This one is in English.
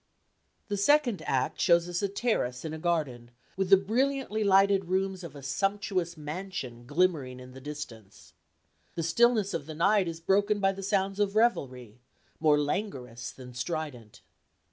The second act shows us a terrace in a garden with the brilliantly lighted rooms of a sumptuous mansion glimmering in the distance. The stillness of the night is broken by the sounds of revelry, more languorous than strident.